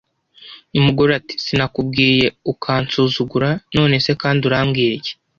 Umugore ati: "Sinakubwiye ukansuzugura, none se kandi urambwira iki?